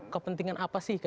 kepentingan apa sih